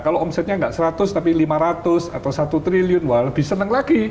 kalau omsetnya nggak seratus tapi lima ratus atau satu triliun wah lebih senang lagi